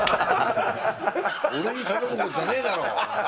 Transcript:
俺に頼むことじゃねえだろ。